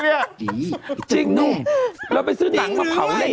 จริงจริงนุ่มเราไปซื้อหนังมะเผาเล่นกันไหมเด้อ